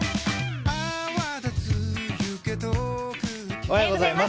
おはようございます。